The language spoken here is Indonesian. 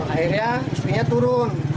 akhirnya supinya turun